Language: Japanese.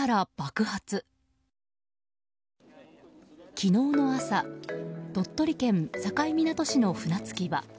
昨日の朝鳥取県境港市の船着き場。